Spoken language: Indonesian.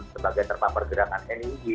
sebagai terpapar gerakan nii